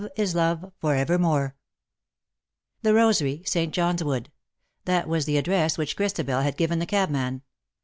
IS LOVE FOR EVER The Rosary, St. John^s Wood : that was the address which Christabel had given the cabman.